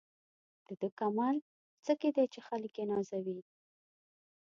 د ده کمال په څه کې دی چې خلک یې نازوي.